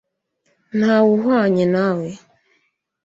nta wuhwanye nawe